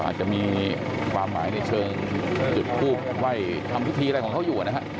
อาจจะมีความหมายในเชิงจุดทูบไหว้ทำพิธีอะไรของเขาอยู่นะฮะ